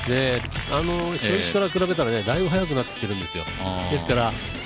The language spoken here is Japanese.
初日から比べたらだいぶ早くなってきているんですよ。